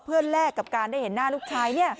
เพื่อแลกกับการได้เห็นหน้าลูกชาย